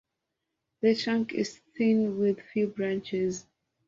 The trunk is thin with few branches.